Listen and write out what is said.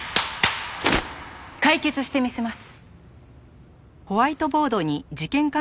解決してみせます。